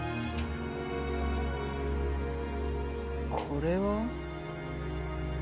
これは？